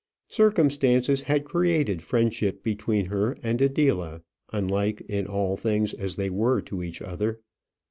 Circumstances had created friendship between her and Adela, unlike in all things as they were to each other.